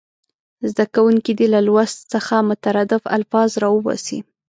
زده کوونکي دې له لوست څخه مترادف الفاظ راوباسي.